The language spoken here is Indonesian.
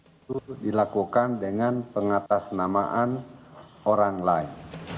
itu dilakukan dengan pengatasnamaan orang lain